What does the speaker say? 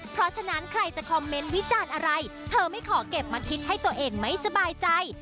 เพราะฉะนั้นใครจะคอมเมนต์วิจารณ์อะไรเธอไม่ขอเก็บมาคิดให้ตัวเองไม่สบายใจ